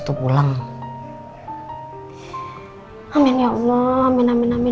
terus global mi